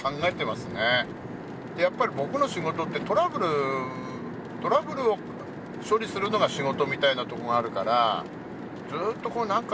やっぱり僕の仕事ってトラブルトラブルを処理するのが仕事みたいなとこがあるからずっとなんだかんだ